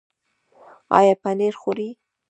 ایا پنیر خورئ؟